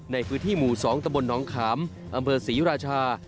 ในพื้นที่หมู่๒ตะบนน้องขามอำเภอศรีราชา